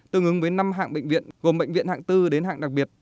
tương ứng với năm hạng bệnh viện gồm bệnh viện hạng bốn đến hạng đặc biệt